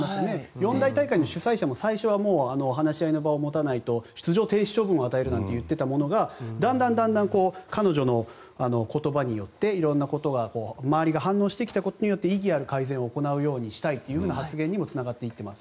四大大会の主催者も最初は話し合いの場を持たないと出場停止処分を与えると言っていたのがだんだんと彼女の言葉によっていろんなことや周りが反応してきたことによって意義ある改善にしたいという発言にもつながっています。